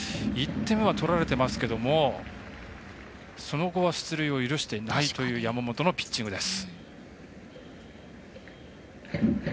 １点は取られていますけれどもその後は出塁は許していないという山本のピッチングです。